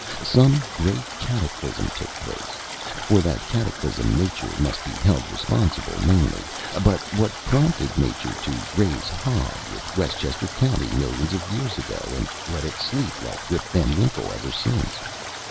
Some great cataclysm took place. For that cataclysm nature must be held responsible mainly. But what prompted nature to raise hob with Westchester County millions of years ago, and to let it sleep like Rip Van Winkle ever since?